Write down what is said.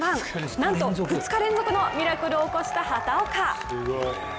なんと２日連続のミラクルを起こした畑岡。